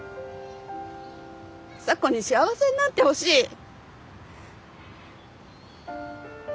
咲子に幸せになってほしい！